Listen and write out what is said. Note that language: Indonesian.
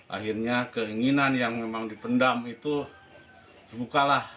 akhirnya keinginan yang memang dipendam itu dibukalah